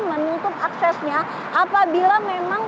menutup aksesnya apabila memang